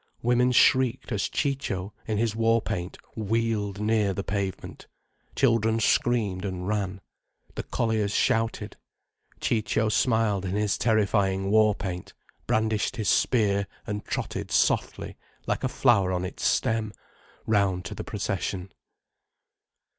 Women shrieked as Ciccio, in his war paint, wheeled near the pavement. Children screamed and ran. The colliers shouted. Ciccio smiled in his terrifying war paint, brandished his spear and trotted softly, like a flower on its stem, round to the procession.